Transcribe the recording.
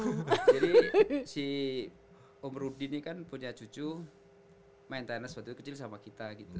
jadi si om rudy ini kan punya cucu main tenis waktu kecil sama kita gitu